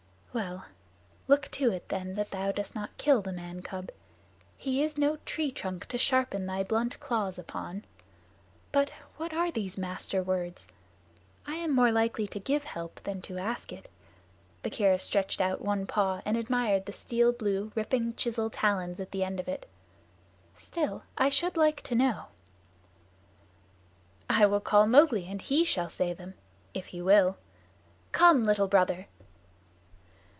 "Well, look to it then that thou dost not kill the man cub. He is no tree trunk to sharpen thy blunt claws upon. But what are those Master Words? I am more likely to give help than to ask it" Bagheera stretched out one paw and admired the steel blue, ripping chisel talons at the end of it "still I should like to know." "I will call Mowgli and he shall say them if he will. Come, Little Brother!"